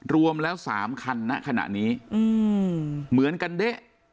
รวมแล้วสามคันนะขณะนี้เหมือนกันดิ